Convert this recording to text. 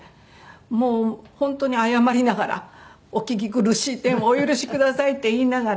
もう本当に謝りながら「お聞き苦しい点をお許しください」って言いながら。